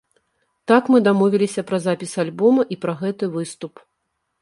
Так мы дамовіліся пра запіс альбома і пра гэты выступ.